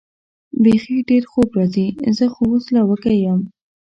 بېخي ډېر خوب راځي، زه خو اوس لا وږی یم.